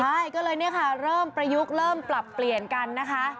ใช่ก็เลยเนี่ยค่ะเริ่มประยุกต์เริ่มปรับเปลี่ยนกันนะคะ